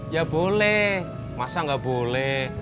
ya boleh masa nggak boleh